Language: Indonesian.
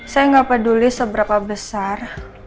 saya nggak peduli seberapa besar